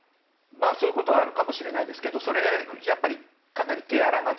そういうことはあるかもしれないですけどそれは、かなり手荒な。